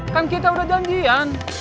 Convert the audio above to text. kan kita udah janjian